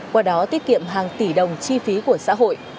qua đó tiết kiệm hàng tỷ đồng chi phí của xã hội